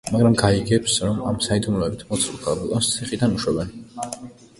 მაგრამ გაიგებს, რომ ამ საიდუმლოებით მოცულ ქალბატონს ციხიდან უშვებენ.